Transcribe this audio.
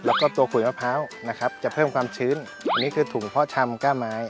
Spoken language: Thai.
แล้วก็ตัวขุยมะพร้าวนะครับจะเพิ่มความชื้นอันนี้คือถุงพ่อชำก้าไม้